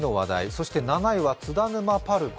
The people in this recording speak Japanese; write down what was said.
そして７位は津田沼パルコ